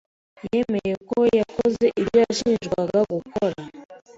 yemeye ko yakoze ibyo yashinjwaga gukora.